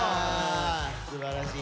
すばらしい。